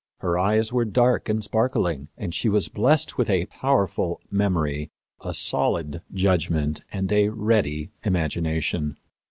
Her eyes were dark and sparkling, and she was blessed with a powerful memory, a solid judgment, and a ready imagination.